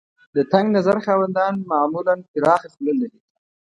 د تنګ نظر خاوندان معمولاً پراخه خوله لري.